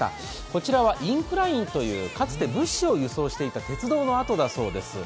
こちらはインクラインというかつて物資を輸送していた鉄道の跡だそうです。